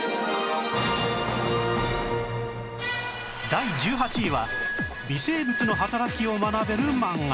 第１８位は微生物の働きを学べる漫画